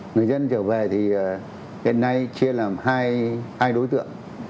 người dân trở về thì hiện nay chia làm hai đối tượng